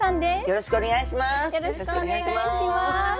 よろしくお願いします。